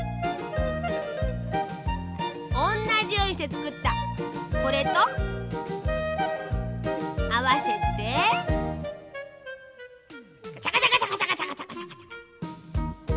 おんなじようにしてつくったこれとあわせてガチャガチャガチャガチャガチャガチャ。